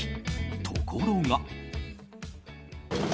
ところが。